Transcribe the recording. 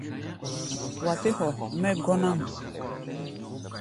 Wa tɛ́ hɔ mɛ́ gɔ́ná-mɔ.